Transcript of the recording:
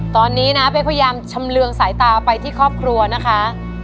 ตอนนี้นะเป๊กพยายามชำเรืองสายตาไปที่ครอบครัวนะคะ